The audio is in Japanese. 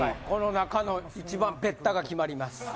この中の一番ベッタが決まります。